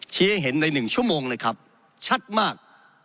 เชื่อเห็นในหนึ่งชั่วโมงนะครับชัดมาก